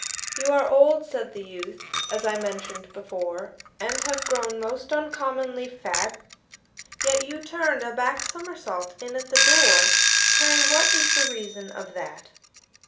"You are old," said the youth, "as I mentioned before, And have grown most uncommonly fat; Yet you turned a back somersault in at the door Pray, what is the reason of that?"